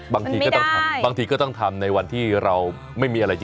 บางทีก็ต้องทำบางทีก็ต้องทำในวันที่เราไม่มีอะไรจะ